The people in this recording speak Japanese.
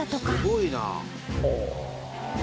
すごいな！